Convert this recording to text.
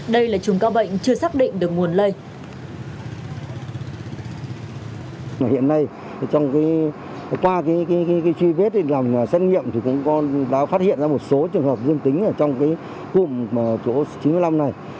đây là chùm ca bệnh chưa xác định được nguồn lây